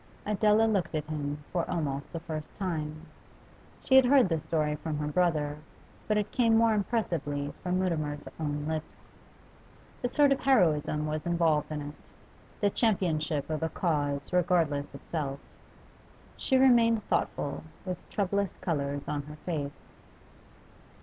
Adela looked at him for almost the first time. She had heard this story from her brother, but it came more impressively from Mutimer's own lips. A sort of heroism was involved in it, the championship of a cause regardless of self. She remained thoughtful with troublous colours on her face.